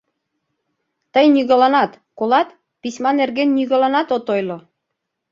— Тый нигӧланат... колат!.. письма нерген нигӧланат от ойло!